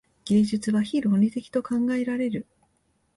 芸術は非論理的と考えられる。